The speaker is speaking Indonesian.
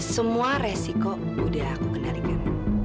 semua resiko udah aku kendalikan